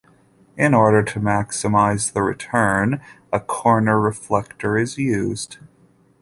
In order to maximize the return a corner reflector is used.